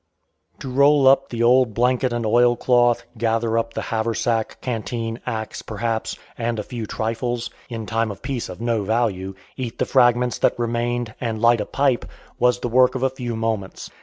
To roll up the old blanket and oil cloth, gather up the haversack, canteen, axe, perhaps, and a few trifles, in time of peace of no value, eat the fragments that remained, and light a pipe, was the work of a few moments.